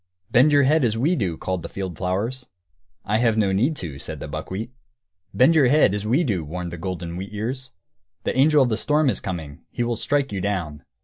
"Bend your head, as we do," called the field flowers. "I have no need to," said the buckwheat. "Bend your head, as we do!" warned the golden wheat ears; "the angel of the storm is coming; he will strike you down."